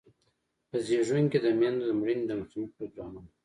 په زیږون کې د میندو د مړینې د مخنیوي پروګرامونه.